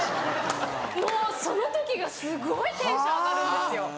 もうその時がすごいテンション上がるんですよ。